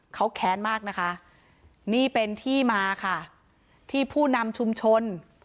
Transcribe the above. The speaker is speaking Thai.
เขาแค้นมากนะคะนี่เป็นที่มาค่ะที่ผู้นำชุมชน